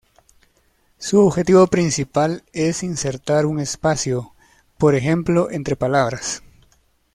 Su objetivo principal es insertar un espacio, por ejemplo, entre palabras.